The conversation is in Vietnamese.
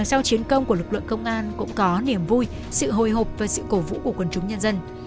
sau chiến công của lực lượng công an cũng có niềm vui sự hồi hộp và sự cổ vũ của quân chúng nhân dân